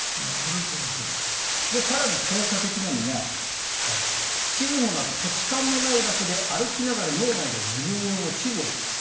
更に効果的なのが地図もなく土地勘もない場所で歩きながら脳内で自分用の地図を作る。